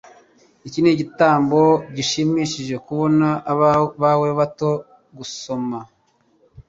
Iki nigitabo gishimishije kubana bawe bato gusoma